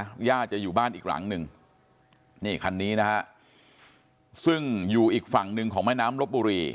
คุณย่าจะอยู่บ้านอีกหลังหนึ่งนี่คันนี้นะฮะซึ่งอยู่อีกฝั่งหนึ่งของแม่น้ำลบบุรี